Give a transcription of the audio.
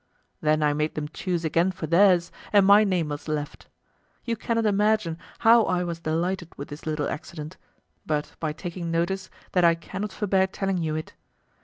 Then I made them choose again for theirs, and my name was left. You cannot imagine how I was delighted with this little accident, but by taking notice that I cannot forbear telling you it.